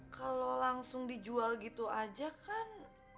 kalau langsung dijual gitu aja kan